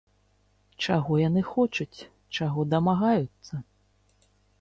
Чаго яны хочуць, чаго дамагаюцца?